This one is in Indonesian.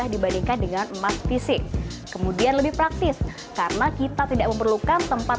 dibandingkan dengan emas fisik kemudian lebih praktis karena kita tidak memerlukan tempat